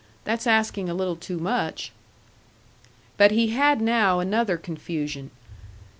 That's asking a little too much." But he had now another confusion.